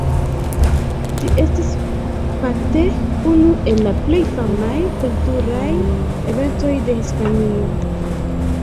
Ĝi estas, fakte, unu el la plej famaj kulturaj eventoj de Hispanio.